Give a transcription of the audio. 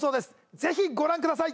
ぜひご覧ください。